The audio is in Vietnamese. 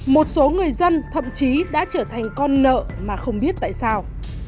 một số người dân thậm chí đã trở thành con nợ mà không biết tại sao